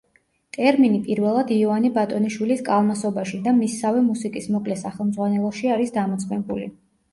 ტერმინი პირველად იოანე ბატონიშვილის „კალმასობაში“ და მისსავე „მუსიკის მოკლე სახელმძღვანელოში“ არის დამოწმებული.